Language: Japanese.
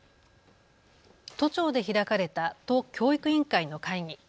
都庁で開かれた都教育委員会の会議。